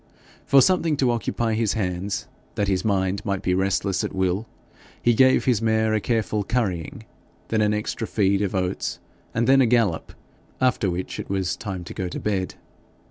For something to occupy his hands, that his mind might be restless at will, he gave his mare a careful currying, then an extra feed of oats, and then a gallop; after which it was time to go to bed.